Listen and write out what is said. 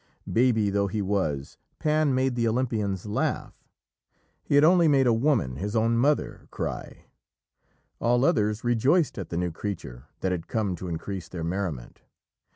Baby though he was, Pan made the Olympians laugh. He had only made a woman, his own mother, cry; all others rejoiced at the new creature that had come to increase their merriment.